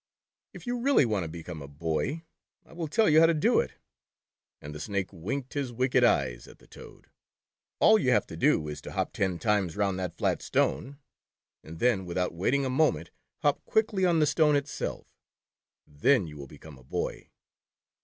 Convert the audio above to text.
" If you really want to become a boy, I will tell you how to do it," and the Snake winked his wicked eyes at the Toad. '' All you have to do is to hop ten times round that flat stone, and then without waiting a moment, hop quickly on the stone itself Then you will become a boy."